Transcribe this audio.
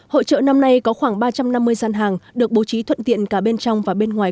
hội trợ năm nay có khoảng ba trăm năm mươi gian hàng được bố trí thuận tiện cả bên trong và bên ngoài